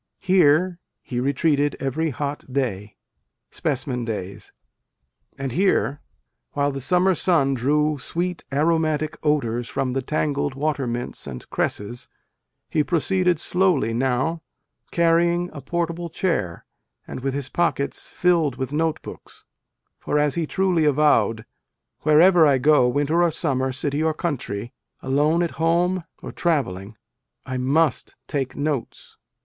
Here (he) retreated every hot day" (Specimen Days), and here, while the A DAY WITH WALT WHITMAN. summer sun drew sweet aromatic odours from the tangled water mints and cresses, he pro ceeded slowly now, carrying a portable chair, and with his pockets filled with note books ; for, as he truly avowed, " Wherever I go, winter or summer, city or country, alone at home or travelling, I must take notes."